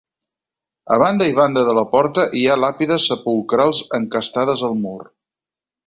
A banda i banda de la porta hi ha làpides sepulcrals encastades al mur.